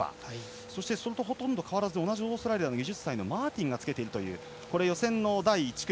そしてそれとほとんど変わらずオーストラリアの２０歳のマーティンがつけているという予選の第１組。